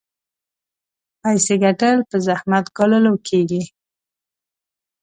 پيسې ګټل په زحمت ګاللو کېږي.